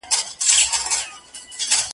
که یوه شېبه وي پاته په خوښي کي دي تیریږي